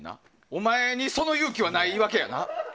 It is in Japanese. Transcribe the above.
お前にその勇気はないわけやな。